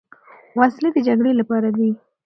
وسلې د جګړې لپاره دي.